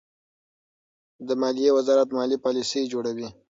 د مالیې وزارت مالي پالیسۍ جوړوي.